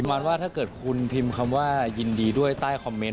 ว่าถ้าเกิดคุณพิมพ์คำว่ายินดีด้วยใต้คอมเมนต